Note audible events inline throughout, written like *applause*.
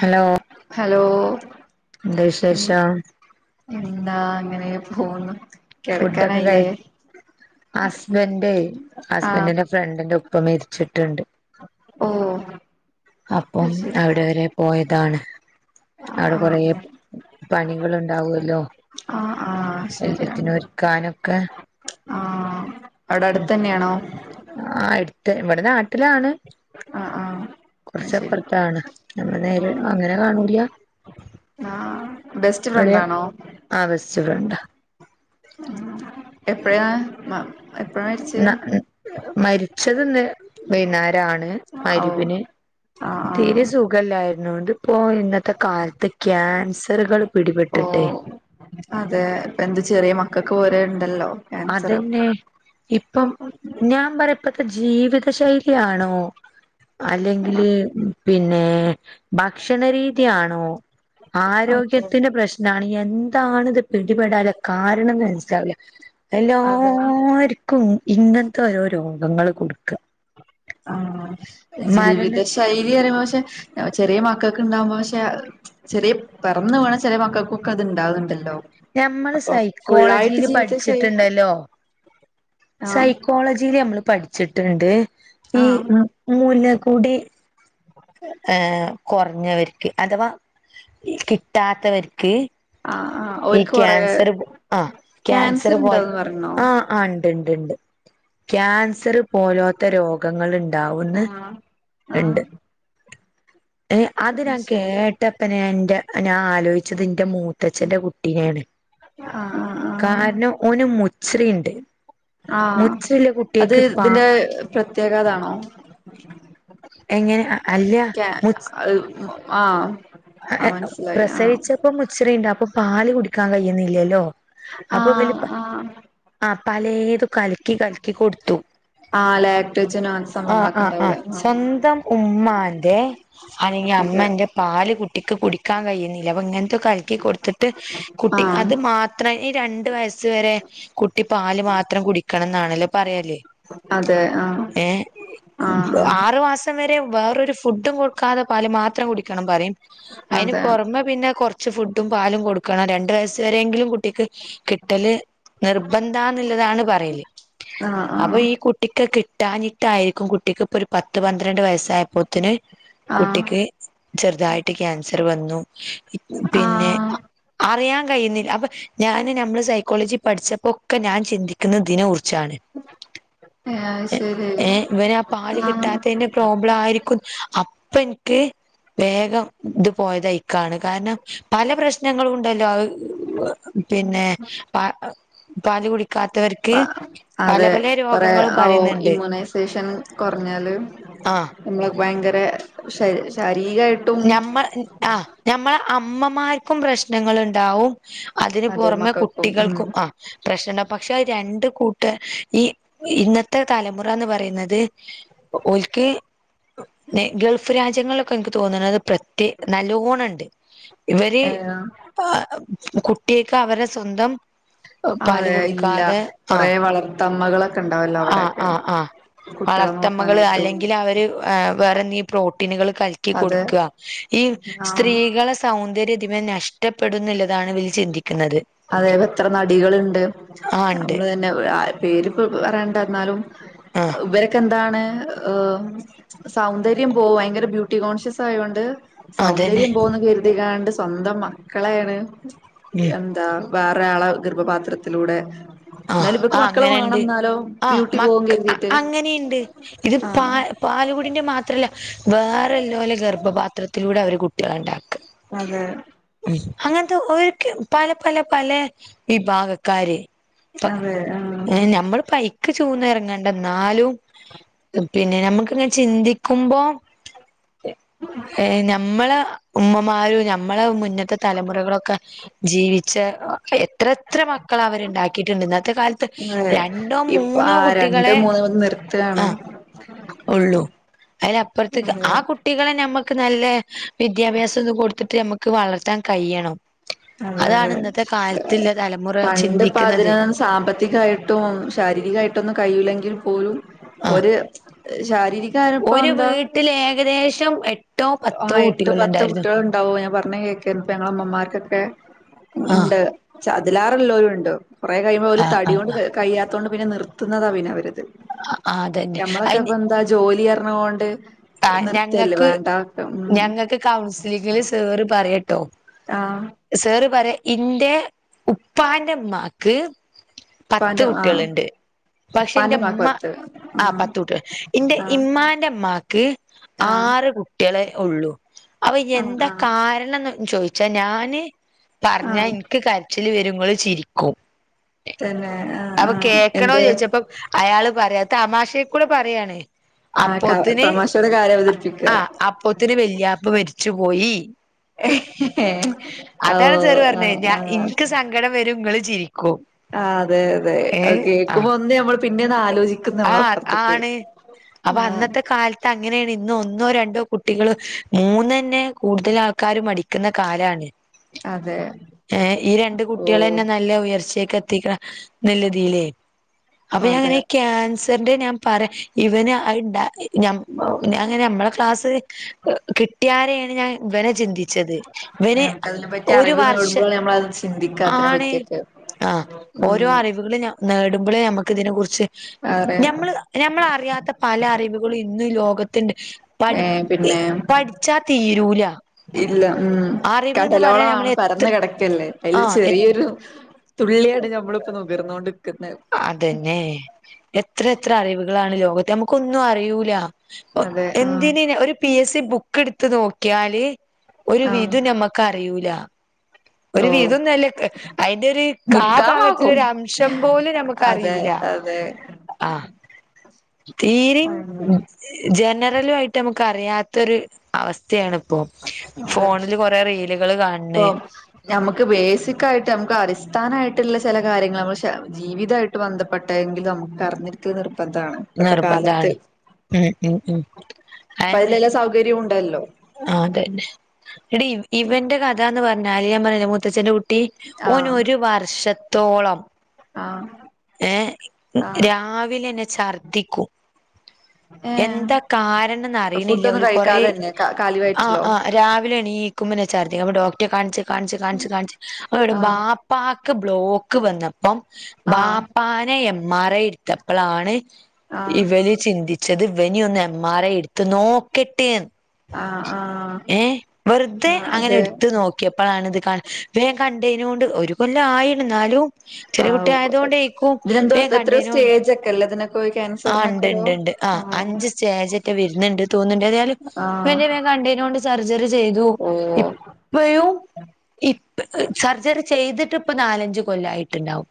Hello hello എന്താ ഉം വിശേഷം എന്താ അങ്ങനെ പോവുന്നു ഫുഡൊക്കെ കിടക്കാനായില്ലേ കഴ് ഹസ്ബന്റ് ആഹ് ഹസ്ബന്റിന്റെ ഫ്രണ്ടിന്റെ ഉപ്പ മരിച്ചിട്ടുണ്ട് ഓഹ് അപ്പം അവിടെ വരെ പോയതാണ് അവിടെ കൊറേ ആഹ് പണികള് ഇണ്ടാവോല്ലോ ആഹ് ആഹ് ശരിയാണ് എല്ലാത്തിനും ഒരുക്കാനൊക്കെ ആഹ് അവിടെ അടുത്തന്നെയാണോ ആഹ് എടുത്തൻ ഇവിടെ നാ ട്ട്ലാണ് ആഹ് ആഹ് അത് ശരി കുറച്ചപ്പുറത്താണ് നമ്മള് നേരെ ആഹ് അങ്ങനെ കാണൂല്ല ആഹ് ബെസ്റ്റ് ഫ്രണ്ടാണോ ആഹ് ബെസ്റ്റ് ഫ്രണ്ടാ ഉം എപ്പഴാ എപ്പൊ മരിച്ച് മരിച്ചത് ഇന്ന് വൈന്നാരാണ് ഓ മഹ്രിബിന് ആഹ് ആഹ് തീരെ സു ഖല്ലായിരുന്നോണ്ട് ഇപ്പോ ഇന്നത്തെ കാലത്ത് ക്യാൻസറുകൾ ഓ പിടിപെട്ടിട്ടെ അതെ ഇപ്പ എന്ത് ചെറിയ മക്കൾക്ക് വരെണ്ടല്ലോ അതന്നെ ഇപ്പം ഞാൻ പറയ ഇപ്പത്തെ ജീവിത ശൈലിയാണോ അല്ലെങ്കില് പിന്നെ ഭക്ഷണ രീതിയാണോ അതെ ആരോഗ്യത്തിന്റെ പ്രശ്നാണ് എന്താണ് ഇത് പിടിപെടാന്ള്ള കാരണംന്ന് മനസ്സിലാവില്ല അതെ എല്ലാര്ക്കും ഇങ്ങനത്തെ ഓരോ രോഗങ്ങൾ കൊടുക്ക ആഹ് മരണ ജീവിത ശൈലി അറിയുമ്പോ പക്ഷെ ചെറിയ മക്കൾക് ണ്ടാകുമ്പോ പക്ഷെ ചെറിയ പെറന്നു വീണ ചെല മക്കൾക്കൊക്കെ ഇത്ണ്ടാക്ണ്ടല്ലോ ഞമ്മള് സൈക്കോളജിയില് ശൈലി പഠിച്ചിട്ടുണ്ടല്ലോ ആഹ് സൈക്കോളജിയില് നമ്മൾ പഠിച്ചിട്ടുണ്ട് ഈ ആഹ് മുല കുടി *inaudible* ക്ക്‌ ആഹ് കുറഞ്ഞവർക്ക് അഥവാ കിട്ടാത്തവർക്ക് ആഹ് ആഹ് ഈ ഓര്ക്ക് കൊറേ ക്യാൻസർ പോ ആഹ് ക്യാൻസർ പോൽ ഉണ്ടാവന്ന് പറഞ്ഞോ ആഹ് ആഹ് ണ്ട് ണ്ട് ണ്ട് ക്യാൻസർ പോലോത്തെ രോഗങ്ങൾ ഇണ്ടാവുന്ന് ആഹ് ആഹ് ഇണ്ട് ട്ട് അതി അത് ഞാൻ കേ ശരി ട്ടപ്പന്നെ യാഇൻ്റെ ഞാൻ ആലോയ്ച്ചത് എന്റെ മൂത്തച്ഛന്റെ കുട്ടീനെയാണ് ആഹ് ആഹ് ആഹ് കാര്ണം ഓന് മുച്ച്രിയിണ്ട് ആഹ് അത് പാ ഇതിന്റെ പ്രത്യേകതാണോ എങ്ങനെ അല്ല മുച്ച് ആഹ് അഹ് ആഹ് ഏഹ് മനസ്സിലായി ആഹ് പ്രസവിച്ചപ്പം മുച്രിയിണ്ട് അപ്പം പാല് കുടിക്കാൻ കഴിയുന്നില്ലല്ലോ അപ്പൊ പിന്നെ ആഹ് പ ആഹ് ആഹ് പലേത് കലക്കി കലക്കി കൊടുത്തു ആഹ് ലാക്റ്റോജൻ ആൻ ആ സംഭവങ്ങളൊക്കെ ആ ആ ണ്ടാവൂലേ സ്വന്തം ഉമ്മാന്റെ അല്ലെങ്കി അമ്മൻ്റെ ൻ്റെ പാല് കുട്ടിക്ക് കുടിക്കാൻ കഴിയുന്നില്ല അപ്പം ഇങ്ങനത്തെക്കെ കലക്കി കൊടുത്തിട്ട് ആ കുട്ടി അത് മാ ത്രം ഈ രണ്ടു വയസ്സ് വരെ കുട്ടി പാല് മാത്രം കുടിക്കണം എന്നാണല്ലൊ പറയല്. അതെ ആ ഏഹ്. ആറു മാസം വരെ വേറൊരു ഫുഡും കൊടുക്കാതെ പാല് മാത്രം കുടിക്കണം പറിം. അയിന് അതെ പൊറമെ പിന്നെ കൊറ്ച്ച് ഫുഡും, പാലും കൊടുക്കണം. രണ്ടു വയസ് വരേങ്കിലും കുട്ടിക്ക്. കിട്ടല് നിർബന്ധാന്നുള്ളതാണ് പറയല് ആ ആ അപ്പൊ ആ അതെ ഈ കുട്ട് ട്ടിക്ക് കിട്ടാഞ്ഞിട്ടായിരിക്കും കുട്ടിക്ക് ഇപ്പൊ ഒരു പത്ത് പന്ത്രണ്ട് വയസ്സായപ്പോത്തിന് ആ ആ ആ കുട്ടിക്ക് ചെറുതായിട്ട് ക്യാൻസറ് വന്നു. ഇപ് ആ പിന്നെ അറിയാൻ കഴിയുന്നില്ല. അപ്പ - ഞാന് നമ്മള് സൈക്കോളജി പഠിച്ചപ്പൊക്കെ ഞാൻ ചിന്തിക്ക്ന്ന ഇതിനെ കുറിച്ചാണ്. എ ഏ അത് ശരി ഏഹ് ഇവന് ആ പാല് കിട്ട് *unintelligible* പ്രോബ്ലം ആയിരിക്കും അപ്പ ഇൻക്ക് വേഗം ഇത് പോയത് അയ്ക്കാൻ എയ്ക്കാണ് കാരണം പല പ്രശ്നങ്ങളും ഇണ്ടല്ലോ അ പിന്നെ പ പാല് കുടിക്കാത്തവർക്ക് പല അതെ. പല കൊറേ രോഗങ്ങളും അ ഔ പറയുന്നുണ്ട് ഇമ്മ്യൂണൈസേഷൻ കൊറഞ്ഞാല് ആഹ് നമ്മളൊക്കെ ഭയങ്കര ശ ശാരീകമായിട്ട് ഞമ്മ ആ ഞമ്മളെ അമ്മമാർക്കും പ്രശ്നങ്ങളുണ്ടാവും. അതിന് അതെ പൊറമെ മക്കൾക്കും ഉം കുട്ടികൾക്കും ആഹ്. പ്രശ്ന പക്ഷെ രണ്ട് കൂട്ട ഈ ഇ ഇന്നത്തെ തലമുറ എന്ന് പറയുന്നത് ഓല്ക്ക് നേ ഗൾഫ് രാജ്യങ്ങളൊക്കെ ഇൻക്ക് തോന്ന്ണത് പ്രത്യേ നല്ലോണം ഇണ്ട്. ഇവര് ഏ പാ കുട്ട്യേക്ക് അവര് കസ്വന്തം പാല് അതെ ഇല്ല കൊടുക്കാതെ. കൊറേ ആഹ് വളർത്തമ്മകളൊക്കെ ഉണ്ടാവല്ലോ ആഹ് അവിടെയൊക്കെ ആഹ് ആഹ് കുട്ടികളെ വളർത്തമ്മകള് നോക്കാനായിട്ടും അല്ലെങ്കില് അവര് വേറെ എന്തെ പ്രോട്ടീനുകള് കലക്കി അതെ കൊടുക്കുക. ഈ ആഹ് സ്ത്രീകള് സൗന്ദര്യം ഇതിന് നഷ്ടപ്പെടുന്ന ള്ളതാണ് ഇവര് ചിന്തിക്കുന്നത് അതേ ഇപ്പം എത്ര നടികള്ണ്ട് ആഹ് ഉണ്ട് നമ്മള് തന്നെ *unintelligible* പേരിപ്പ പറയണ്ട യ്യന്നാലും ആഹ് ഇവരെ ക്ക് എന്താണ്. സൗന്ദര്യം പോവും ഭയങ്കര ബ്യൂട്ടി കോൺഷ്യസ്യോണ്ട്. അതന്നെ സൗന്ദര്യം പോവുന്ന് കരുതിക്കാണ്ട് സ്വന്തം മക്കളെയാണ് ഉം *unintelligible* ന്താ വേറെ ആളെ ഗർഭപാത്രത്തിലൂടെ ആഹ് എന്നാലും ഇവക്ക് ആ മക്കള് അങ്ങനെണ്ട്. വേണം എന്നാലോ ആഹ് ബ്യൂട്ടി പോവും മക്ക് കരുതിട്ട് അങ്ങനെയുണ്ട് ഇത് ആഹ് പാൽ പാലുകുടിന്റെ മാത്രല്ല. വേറ ഇല്ല'ലോലെ ഗർഭപാത്രത്തിലൂടെ അവര് കുട്ടികളെ ഇണ്ടാക്കും. അതെ അങ്ങൻത്തെ ഓരിക്ക് പല പല പലേ വിഭാഗ കാര്. പ്പ അതെ ആഹ് നഞമ്മള് ഇപയ്ക്ക് ചൂന്ന ഇറങ്ങണ്ട ഇന്നാലും. പിന്നെ നമക്ക്ങ്ങനെ ചിന്തിക്കുമ്പോ എഏ ഞമ്മള ഉമ്മമാരും ഞമ്മള മുന്നത്തെ തലമുറകളൊക്കെ ജീവിച്ച എത്ര എത്രമക്കളാ അവര് ഇണ്ടാക്കിയിട്ട്ണ്ട്. ഇന്നത്തെ കാലത്ത് ത്തെ അതെ രണ്ടോ ഇപ്പ മൂന്നോ ആ രണ്ട് കുട്ടികളെ മൂന്ന് നിർത്തുകയാണ് ആഹ്. ഒള്ളു. അതിലപ്പറത്ത്ക്ക് അതെ ആ കുട്ടികളെ നമ്മക്ക് നല്ല വിദ്യാഭ്യാസം ഒക്കെകൊട്ത്തിട്ട് ഞമ്മക്ക് വളർത്താൻ കയ്യ്യണം. അതെ അതെ അതാണ് ഇന്നത്തെ കാലത്തില്ല തലമുറ പണ്ട് ഇപ്പ ചിന്തിക്ന്നത്. അതിന് സാമ്പത്തികായിട്ടും ശാരീരികമായിട്ടൊന്നും കയ്യൂല്ലെങ്കിൽ പോലും ആ ഒരു പ ശാരീരി ഒരു വീട്ടിൽ ഏകദേശം എട്ടോ പത്തോ കുട്ടികള്ണ്ടായിര്ന്നു. ഉണ്ടാവോ ഞാൻ പറഞ്ഞേ കേക്ക ഇപ്പ ഞങ്ങള മ്മമ്മാർക്കൊക്കെ ആ ഇണ്ട് ചെഅതിലേറേള്ളോലുണ്ട് കുറെകയുമ്പോ ഓല് ആ ആ തടിയോണ്ട് കയ്യാത്തോണ്ട് പിന്നെ നിർത്തുന്നതാ പിന്നെ അവരത് ആ അതന്നെ ഞമ്മളൊക്കെ അയിന് ഇപ്പ എന്താ ജോലി അർഞ്ഞ ഓണ്ട് നിർത്തല്ലേ വേണ്ടാ ഞങ്ങൾക്ക് കൗൺസിലിങ്ങില് സെറ് പറയട്ടോ ആഹ് അഹ് സെറ് പറയാ ഇന്റ ഉപ്പാന്റെ മ്മാക്ക് പത്ത് ഉപ്പാന്റെ ആഹ് കുട്ട്യേള്ണ്ട് പക്ഷെ ഉപ്പാന്റെ ഇന്റെ ഉമ്മാക്ക് പത്ത് ആ ആഹ് പത്ത് കുട്ട്യാള് ഇന്റെ ആഹ് ഇമ്മാന്റെ മ്മാക്ക് ഹ് ആഹ് ആറ് കുട്ട്യേളെ ഒള്ളൂ ആഹ് അപഎന്താ ആഹ് കാരണംന്ന് ചോയ് ച്ചാ ഞാന് പറഞ്ഞാ ആഹ് ഇൻക്ക് കരച്ചില് വരും ങ്ങള്ചിരിക്കും തന്നെ ആഹ് അപ് ആഹ് കേക്കണോ എന്ത് ചോദിച്ചപ്പ അയാള് പറയാ തമാശെക്കൂടെ പറയാണ് ആഹ് ക അപ്പോത്തിന് തമാശടെ കാര്യം അവതരി ആ അപ്പോത്തിന്‌ വെല്യാപ്പ മെര്ച്ചു പോയി ഓഹ് ആഹ് ആഹ് ങ്കടം വരു ങ്ങള്ചിരിക്കും ആഹ് അതെ അതെ അഹ് കേക്കുമ്പോ ഒന്ന് നമ്മൾ പിന്നെ ത് ആലോചിക്കുന്ന ആ വള അപ്പറത്തേക് ആഹ് തഅങ്ങനെയാണ് ഇന്ന് ഒന്നോ രണ്ടോ കുട്ടികള് മൂന്നന്നെ കൂടുതൽ ആൾക്കാര് മടി ക്ക്‌ന്ന കാലാണ് അതെ എഹ് ഈ ഓ രണ്ട്കുട്ട്യേളന്നെ ന്നാ ല്ല ഉയർചെക്ക് എത്തിക്കണ ന്ന്ല്ലതിലെ അപ്പ അതെ ഞാനിങ്ങനെ ക്യൻസ് തര്ന്റ ഞാൻ പറയാ ഇവന് അഹ് ണ്ടാ ഞ്ഞം ഞങ്ങനെ നമ്മളെ ക്ലാസ് കിട്ടിയാരെയാണ് ഞാൻ ഇവനെ ചിന്തി ച്ചത് ഇവന് നമുക്കതിനെ പറ്റി ഒരു അറിവ് വർഷ നേടുമ്പോഴാണ് നമ്മളത് ചിന്തിക്ക അതിനെ ആണ് പറ്റിയൊക്കെ ആഹ് ഓരോ ഉം അറിവുകളും നേടുമ്പളെ ഞമ്മക്ക് ഇതിനെ കുറിച്ച് അതെ ഞമ്മള് ഞമ്മൾറിയാത്ത പല അറിവുകളും ഇന്ന് ലോകത്തിണ്ട് പഠി ഏഹ് പിന്നെ പഠിച്ചാ തീരൂല ഇല്ല ഉം അറിവ്ന്ന് പറയാൻ നമ്മൾ കടലോളാണ് എത്ര പരന്ന്കിടക്കല്ലേ അതില് ആഹ് എ ചെറിയൊരു തുള്ളിയട് ഞമ്മളിപ്പ നുകർന്നോണ്ട്ക്കുന്നെ അതന്നെ എത്ര എത്ര അറിവുകളാണ് ലോകത്തെ നമുക്കൊന്നും അറിയുല അതെ ആഹ് ഒഎന്തിന് ഒരു പി എസ് സി ബുക്ക് എടുത്ത് നോക്കിയാല് ഒരു വിധ ആഹ് നമക് ക്കറിയൂല ഒരു ഓ വിതൊന്നുല്ല അയ്ന്റെ ഒരു കാ മുക്കാ ഭാഗവും ഭാഗത്തിലൊരു അംശം പോലും അതെ നമുക്കറിയൂല അതെ ആഹ് തീരിങ് ഉം ഇജ് ജനറലു ആയിട്ട് നമുക്ക് അറിയാത്തരു അവസ്ഥയാണിപ്പോ ഫോണില് കൊറെ റീലുകൾ കാ *unintelligible* ഞമ്മക്ക് ബേസിക്കായിട്ട് നമുക്ക് അടിസ്ഥാനായിട്ട്ള്ള ചില കാര്യങ്ങള് നമ്മൾ ഷ ജീവിതട് ട്ട് ബന്ധപ്പെട്ട എങ്കിലും നമക്ക് അറിഞ്ഞിരിക്കൽ നിർബന്ധണ് ഇപ്പത്തെ കാലത്ത് നിർബന്ധാണ് ഉം ഉം ഉം അപ്പ അയെന്നെ അതിലല്ലാം സൗകര്യം ഉണ്ടല്ലോ ആഹ് തന്നെ എടീ ഇവന്റെ കഥാന്ന് പറഞ്ഞാല് ഞാൻപറഞ്ഞില്ലേ മൂത്തച്ഛന്റെ കു ട്ടി ആഹ് ഓനൊരു വർഷത്തോളം ആഹ് ഏഹ് ആഹ് രാവിലെന്നെ ചർദിക്കും ഏഹ് എന്താ കാരണംന്ന് ഫുഡ് അറിയിണില്ല ഒന്നും ഓൽ കൊറേ കഴിക്കാതെ തന്നെ കാലി ആഹ് വയറ്റിലോ ആഹ് രാവിലെണീ കുമ്പന്നെചർദ്ദി അപ്പൊ ഡോക്റ്റേ കാണിച്ച് കാണിച്ച് കാണിച്ച് കാണിച്ച് അവടെ ബാ ആഹ് ഇപ്പാക്ക് ബ്ലോക്ക് വന്നപ്പം ബാ ആഹ് ഇപ്പാനെ എം ആർ ഐ ഇട്ത്തപ്പളാണ് ആഹ് ഇവല് ചിന്തിച്ചത് ഇവനിയൊന്ന് എം ആർ ഐ ഇട്ത്ത് നോക്കട്ടേന്ന്. ആഹ് ആഹ് ഏഹ് വെറ്തെ ആഹ് അങ്ങനെ അതെ ഇട്ത്ത്നോക് ക്ക്യപ്പളാണ് ഇത്ക്കണ്ടത്. അപ കണ്ടെയ്നോണ്ട് ഒരു കൊല്ലം ആയീണ് ഇന്നാലും. ചെറ്യേകുട്ടി ആഹ് ആയത്കൊണ്ടേക്കും. അപ ഇതിനെന്തോ ഞാ എത്രയോ കണ്ടയ്നോണ്ട്. സ്റ്റേജ് ഒക്കെ അല്ലേ ഇതിനൊക്കെ ഒരു ആഹ് ക്യാൻസറിനൊക്കെ ഇണ്ട് ഒരു ഇണ്ട് ഇണ്ട്. ആഹ് അഞ്ച് സ്റ്റേജറ്റേ വെര്ന്ണ്ട് തോന്ന്ണ്ട്. ഏതായാലും ആഹ് ഇവെന്റെ വേം ഞാൻകണ്ടയ്നോണ്ട് സർജറി ചെയ്തു ഓഹ് ഇപ്പയും ഇപ്പ സർജറിചെയ്തിട്ട് ഇപ്പനാലഞ്ച് കൊല്ലായിട്ട് ഇണ്ടാവും.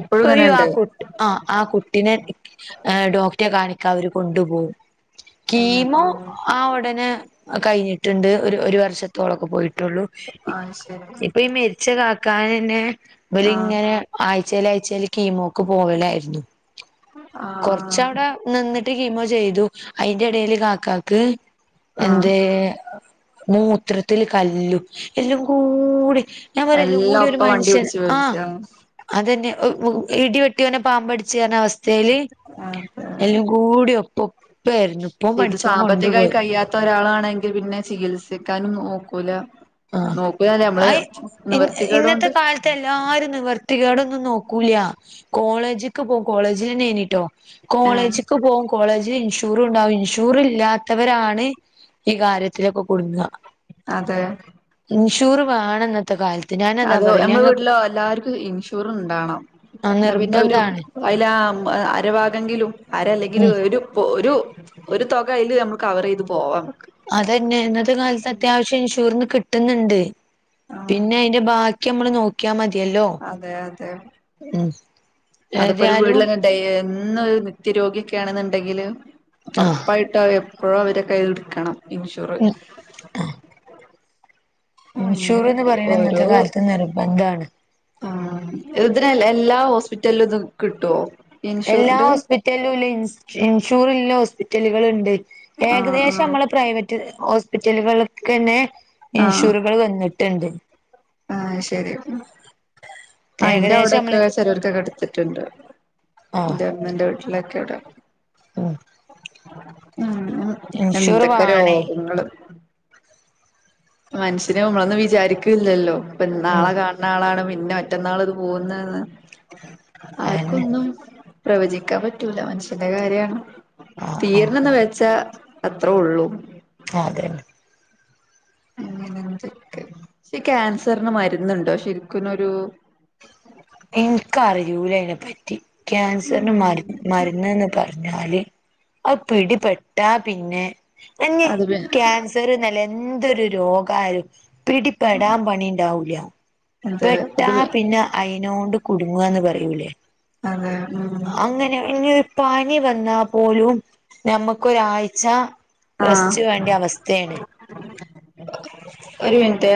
ഇപ്പോഴും ഇങ്ങനെണ്ട് ആഹ് കു ആഹ്. ആഹ് കുട്ടിനെ ഡോക്റ്റേ കാണിക്കാ ഇവര്കൊണ്ടുപോവും. കീമോ ആഹ് ഉ ടനെ കഴിഞ്ഞിട്ട്ണ്ട്. ഒര് ഒരു വർഷത്തോളൊക്കെ പോയിട്ടൊള്ളു. ആഹ് ശരി ഇപ്പഈ മെഡി ച്ച, ക്കാക്കാനന്നെ ഇബല് ആഹ് ഇങ്ങനെ ആഴ്ച്ചേല്ആഴ്ച്ചേല് കീമോക്ക്പോവലായിരുന്നു. ആഹ് ആഹ് കൊറച്ചവ്ടെ നിന്നിട്ട്കീമോചെയ്തു - അയിന്റെ എടേല് കാക്കാക്ക്. ആഹ് എന്തേ മൂത്രത്തില് കല്ലും എല്ലുംകൂടി. ഞാൻ എല്ലാം പറ്യലുംകൂടി ഒരു ഒപ്പ വണ്ടി മനുഷ്യൻ പിടിച്ച് ആഹ് വലിച്ച് അത് തന്നെ. ഇടിവെട്ട്യാേനെ പാമ്പട്ച്ച് അറ്ഞ്ഞ അവസ്തേല്. ആഹ് തെ. എല്ലുംകൂടി ഒപ്പഒപ്പേരുന്നു. ഇപ്പം ഓൻ പടച്ച്. ഓൻ കൊണ്ടുപോയി. തോരാളാണെങ്കിൽ പിന്നെ ചികിത്സിക്കാനും നോക്കൂല. ആഹ് നോക്കൂലാന്നല്ല നമ്മള് അയ് ഇ ഇന്നത്തെ നിവർത്തിക്കേടോണ്ട്. കാലത്ത് എല്ലാരും നിവർത്തികോടൊന്നും നോക്കൂല്ല്യ, കോളേജിക്ക് പോകു കോളേജിലെന്നേനിട്ടൊ. ഏഹ് കോളേജ്ക്ക് പോവും. കോളേജില് ഇൻഷൂറു ഇണ്ടാവും. ഇൻഷൂറ് ഇല്ലാത്തവരാണ് ഈ കാര്യത്തിലൊക്കെ കുടുങ്ങ. അതെ ഇൻഷൂറ് വേണം ഇന്നത്തെകാല അതെ ഓൽ നമ്മളെവീട്ടിലോ എല്ലാര്ക്കും ഇൻഷുറ് ഇണ്ടാവണം. ആഹ് ഇന്നാപിന്നെ ഒരു നിർബന്ധാണ് അയിലാ ആഹ് അരഭാഗങ്കിലും അര അല്ലെങ്കില് ഉം ഒരു പോ ഒരു. ഒരുതൊക അയില് നമ്മള് കവറെയ്ത് പോവാഅമ്മക്ക് അതന്നെ. ഇന്നത്തെകാലത്ത് അത്യാവശ്യം ഇൻഷുറിന്ന് കിട്ട്ന്ന്ണ്ട്. ആഹ് പിന്നെ അയിന്റെ ബാ ക്കി അമ്മള് നോക്ക്യാമതിയല്ലോ. അതെ അതെ ഉം ഏത്യാലും. ദയ്യ് എന്നും അത് ഒരു നിത്യരോഗിക്ക്യാണ്ന്ന്ണ്ടങ്കിലു ആഹ് ഒറപ്പായിട്ടവര് എ പ്പഴു അവരെ കൈയ്യിൽ ഇട്ക്കണം ഇൻഷൂറ്. ഇൻഷൂറ്ന്ന് അങ്ങനെയൊക്കെ പറയ്ണെ ഇന്നത്തെകാലത്ത് നിർബന്താണ്. ആഹ് ഇതിനന് എല്ലാഹോസ്പിറ്റലും ഇത് കിട്ടോ എല്ലാ ഹോസ്പിറ്റല്‌ ലൂല്ല. ഇൻ ഇൻഷൂറിള്ള ഹോസ്പിറ്റല്കള്ണ്ട്. ആ ഏകദേശം അമ്മളെ പ്രൈവറ്റ് ഹോസ്പിറ്റലുകൾക്കന്നെ ഇൻഷുറുകള് വന്നി ട്ട്ണ്ട്. ആയ്ശെരി. ആഹ് ഇന്റെ ഏകദേശം നമ്മള് ഔടൊക്കെ ചെലോൽതൊക്കെ ഇട്ത്തിട്ട്ണ്ട്. ആ ഇന്റെ ഇമ്മന്റെ വീട്ടിലൊക്കെ ഔടെ. ഉം ഉം ഉം. ഇൻഷൂർ എന്തൊക്കെ വാണേ രോഗങ്ങള്. മനുഷ്യരെ ഞമ്മളൊന്നും വിചാരിക്കില്ലല്ലോ. ഇപ്പൊ നാളെ ഉം കാണ നാളാണ് പിന്നെ മറ്റന്നാൾ ഇത് പോകുന്നേന്ന് അതന്നെ ആർക്കൊന്നും പ്രവചിക്കാൻ പറ്റൂല മനുഷ്യന്റെ കാര്യാ ണ് ആ ആ തീർന്നെന്ന് വെ ച്ച അത്രോ ഉള്ളൂ ആഹ് അത് രന്നെ അങ്ങനെന്തൊക്കെ ഈ ക്യാൻസറിന് മരുന്നുണ്ടോ ശരിക്നൊരു എനിക്കറിയൂല അയിനെ പറ്റി ക്യാൻസറിന് മരു മരുന്ന്ന്ന് പറ ഞ്ഞാല് അത് പിടിപെട്ടാ പിന്നെ അത് പി *unintelligible* ക്യാൻ സർന്നല്ല എന്തൊരു രോഗയാലും പിടി പെടാൻ പണിണ്ടാവൂല അത് പെട്ടാ അത് പിന്നെ അയി നോണ്ടു കുടുങ്ങാന്ന് പറയൂലേ അതാണ് അങ്ങനെ ഇനി ഒരു പനി വന്നാ പോലും നമ്മുക്കു ഒരാഴ്ച ആഹ് റസ്റ്റ്‌ വേണ്ട്യ അവസ്ഥയാണ് ഒരു മിനിറ്റെ